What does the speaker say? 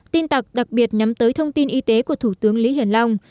tin tặc đặc biệt nhắm tới thông tin y tế của thủ tướng lý hiển long